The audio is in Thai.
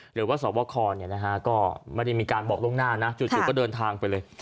หรือว่าสวบคก็ไม่ได้มีการบอกล่วงหน้านะจู่ก็เดินทางไปเลย